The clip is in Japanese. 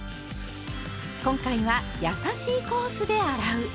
今回は「やさしいコースで洗う」。